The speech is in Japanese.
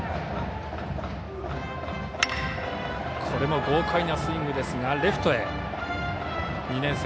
これも豪快なスイングですがレフトへ。